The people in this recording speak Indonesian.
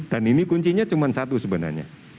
dan ini kuncinya cuma satu sebenarnya